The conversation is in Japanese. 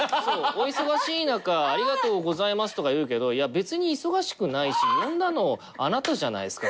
「お忙しい中ありがとうございます」とか言うけどいや別に忙しくないし呼んだのあなたじゃないですか。